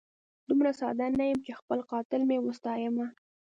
دومره ساده نه یم چي خپل قاتل مي وستایمه